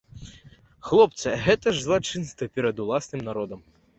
Хлопцы, гэта ж злачынства перад уласным народам.